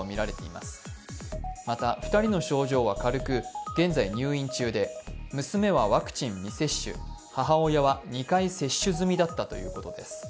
また２人の症状は軽く現在入院中で娘はワクチン未接種、母親は２回接種済みだったということです。